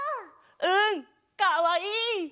うんかわいい！